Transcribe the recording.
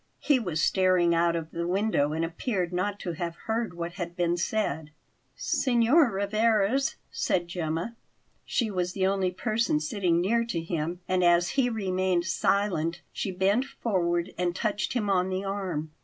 He was staring out of the window and appeared not to have heard what had been said. "Signor Rivarez!" said Gemma. She was the only person sitting near to him, and as he remained silent she bent forward and touched him on the arm.